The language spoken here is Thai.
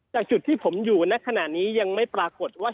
จากจุดที่ผมอยู่ในขณะนี้ยังไม่ปรากฏว่า